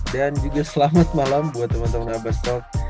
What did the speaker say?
dan juga selamat malam buat teman teman abastok